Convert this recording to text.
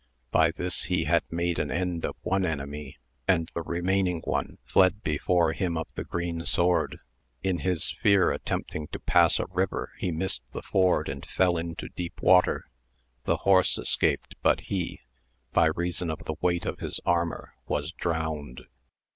By this he had made an end of one enemy, and the remaining one fled before him of the green sword, in his fear attempting to pass a river he missed the ford and fell into deep water, the horse escaped, but he, by reason of the weight of his armour, was drowned.